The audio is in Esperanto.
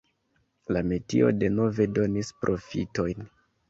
La metio denove donis profitojn.